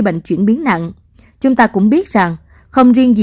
bệnh chuyển biến nặng chúng ta cũng biết rằng